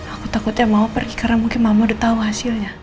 aku takut ya mama pergi karena mungkin mama udah tau hasilnya